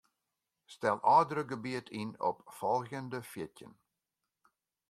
Stel ôfdrukgebiet yn op folgjende fjirtjin.